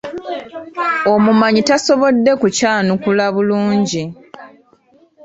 Omumanyi tasobodde kukyanukula bulungi.